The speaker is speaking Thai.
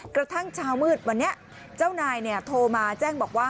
กระทั่งเช้ามืดวันนี้เจ้านายโทรมาแจ้งบอกว่า